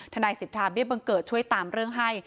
นายสิทธาเบี้ยบังเกิดช่วยตามเรื่องให้